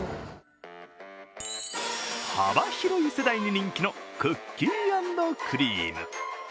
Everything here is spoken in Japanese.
幅広い世代に人気のクッキー＆クリーム。